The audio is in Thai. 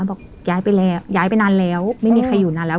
บอกย้ายไปแล้วย้ายไปนานแล้วไม่มีใครอยู่นานแล้ว